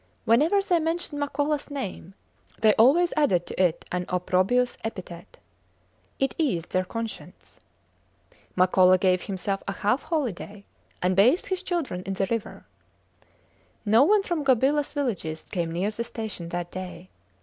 Whenever they mentioned Makolas name they always added to it an opprobrious epithet. It eased their conscience. Makola gave himself a half holiday, and bathed his children in the river. No one from Gobilas villages came near the station that day.